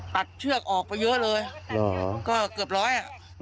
ตัดเชือกออกไปเยอะเลยก็เกือบร้อย